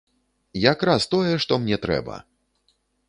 Якраз тое, што мне трэба!